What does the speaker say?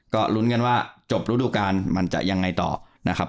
ก็ลุ้นกันว่าจบรูดูการมันจะยังไงต่อนะครับ